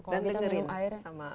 kalau kita minum air sama